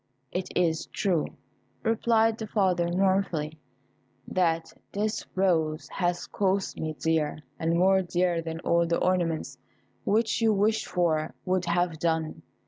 "It is true," replied the father, mournfully, "that this rose has cost me dear, and more dear than all the ornaments which you wished for would have done.